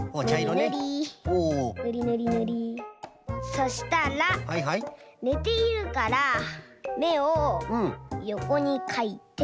そしたらねているからめをよこにかいて。